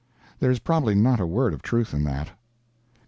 There is probably not a word of truth in that.